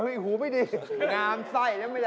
ไอ้ดิหูไม่ดีงามใส่นึกมั้ยล่ะ